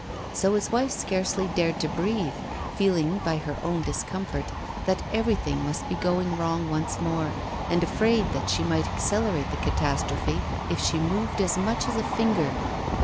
So his wife scarcely dared to breathe, feeling by her own discomfort that everything must be going wrong once more, and afraid that she might accelerate the catastrophe if she moved as much as a finger.